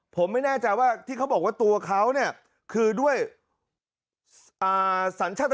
ผมไม่แน่ใจว่าที่เขาบอกว่าตัวเขาเนี่ยคือด้วยสัญชาติ